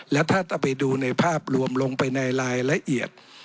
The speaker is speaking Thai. และถ้าจะไปดูในภาพรวมลงไปในรายละเอียด